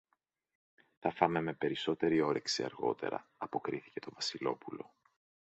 Θα φάμε με περισσότερη όρεξη αργότερα, αποκρίθηκε το Βασιλόπουλο.